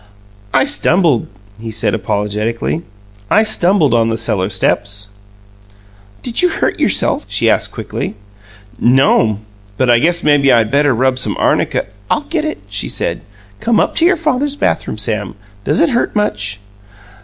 "I stumbled," he said apologetically. "I stumbled on the cellar steps." "Did you hurt yourself?" she asked quickly. "No'm; but I guess maybe I better rub some arnica " "I'll get it," she said. "Come up to your father's bathroom, Sam. Does it hurt much?"